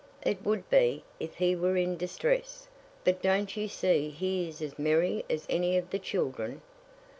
"It would be, if he were in distress; but don't you see he is as merry as any of the children?"